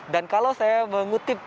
dan kalau saya mengutip